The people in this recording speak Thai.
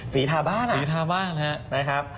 ทาบ้านสีทาบ้านนะครับ